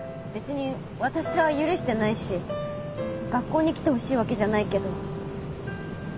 別に私は許してないし学校に来てほしいわけじゃないけど。